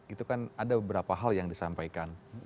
itu kan ada beberapa hal yang disampaikan